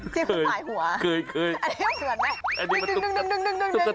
ที่มันตายหัวอันนี้มันเผื่อนไหมดึง